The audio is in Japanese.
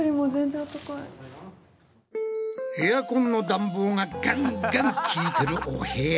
エアコンの暖房がガンガンきいてるお部屋。